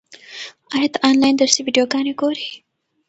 ایا ته آنلاین درسي ویډیوګانې ګورې؟